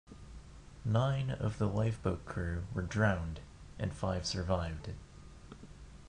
Nine of the lifeboat crew were drowned and five survived.